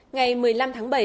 ngày một mươi năm tháng bảy